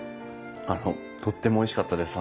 あのとってもおいしかったです。